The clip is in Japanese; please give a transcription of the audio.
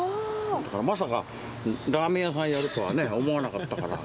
まさか、ラーメン屋さんやるとはね、思わなかったから。